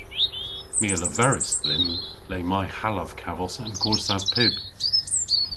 My a leveris dhymm le may hallav kavos an gorsav pib.